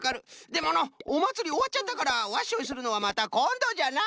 でものうおまつりおわっちゃったから「わっしょい」するのはまたこんどじゃな。